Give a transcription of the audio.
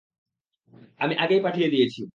আমি আগেই পাঠিয়ে দিয়েছি।